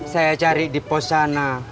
saya cari di pos sana